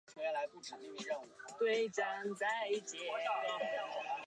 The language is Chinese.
在紧急状况时亦会向乘客发放重要讯息。